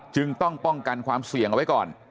จึงต้องป้องกันความเสี่ยงเอาไว้ก่อน